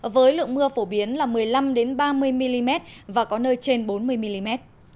với lượng mưa phổ biến là một mươi năm ba mươi mm và có nơi trên bốn mươi mm